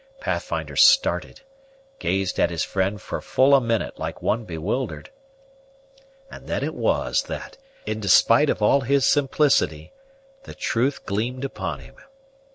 Pathfinder started, gazed at his friend for full a minute like one bewildered, and then it was that, in despite of all his simplicity, the truth gleamed upon him.